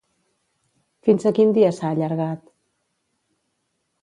Fins a quin dia s'ha allargat?